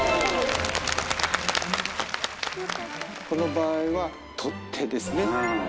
この場合は、取っ手ですね。